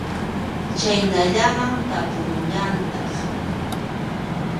Chhaynallaman tapumullantaq.